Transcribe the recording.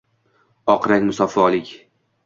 Oq rang – musaffolik